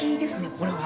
これは。